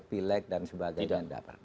pilak dan sebagainya